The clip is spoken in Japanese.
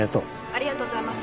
ありがとうございます。